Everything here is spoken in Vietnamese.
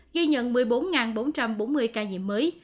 ghi nhận một mươi bốn bốn trăm bốn mươi ca nhiễm mới